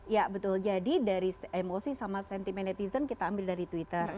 ya betul jadi dari emosi sama sentimen netizen kita ambil dari twitter